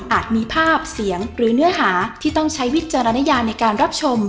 มีภาพเสียงหรือเนื้อหาที่ต้องใช้วิจารณญาในการรับชม